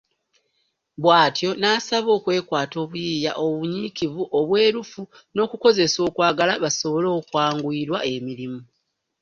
Bw'atyo n'abasaba okwekwata obuyiiya, obunyikivu, obwerufu n'okukozesa okwagala, basobole okwanguyirwa emirimu.